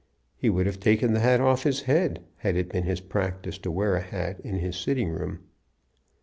He would have taken the hat off his head, had it been his practice to wear a hat in his sitting room.